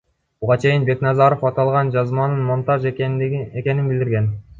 Буга чейин Бекназаров аталган жазманын монтаж экенин билдирген.